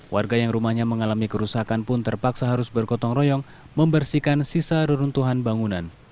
warga yang rumahnya mengalami kerusakan pun terpaksa harus bergotong royong membersihkan sisa reruntuhan bangunan